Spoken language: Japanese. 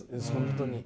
本当に。